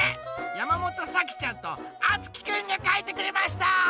やまもとさきちゃんとあつきくんがかいてくれました！